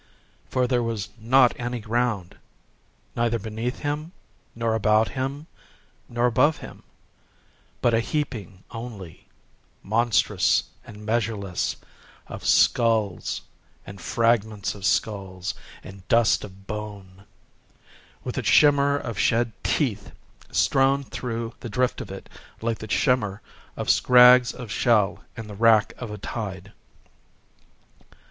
For there was not any ground,—neither beneath him nor about him nor above him,—but a heaping only, monstrous and measureless, of skulls and fragments of skulls and dust of bone,—with a shimmer of shed teeth strown through the drift of it, like the shimmer of scrags of shell in the wrack of a tide.